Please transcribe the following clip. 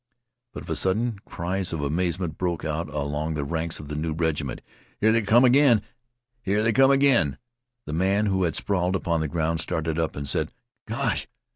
But, of a sudden, cries of amazement broke out along the ranks of the new regiment. "Here they come ag'in! Here they come ag'in!" The man who had sprawled upon the ground started up and said, "Gosh!"